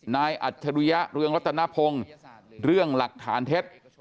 นายอัธรุยะเรื่องรัตนพงศ์เรื่องหลักฐานเทศ